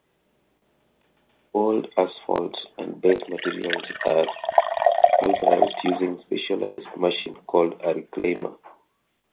Old asphalt and base materials are pulverized using a specialized machine called a reclaimer.